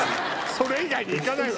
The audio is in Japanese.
それ以外で行かないわよ！